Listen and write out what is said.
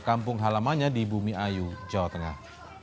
kampung halamannya di bumi ayu jawa tengah